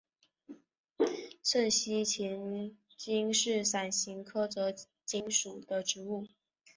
滇西泽芹是伞形科泽芹属的植物。